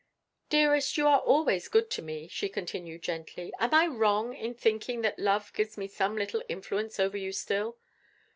"Dearest, you are always good to me," she continued gently. "Am I wrong in thinking that love gives me some little influence over you still?